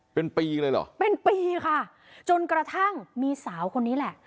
เป็นปีเลยเหรอเป็นปีค่ะจนกระทั่งมีสาวคนนี้แหละ